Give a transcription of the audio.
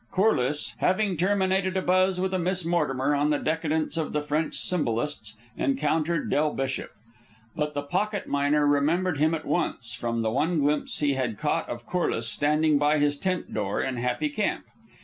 Corliss, having terminated a buzz with a Miss Mortimer on the decadence of the French symbolists, encountered Del Bishop. But the pocket miner remembered him at once from the one glimpse he had caught of Corliss standing by his tent door in Happy Camp.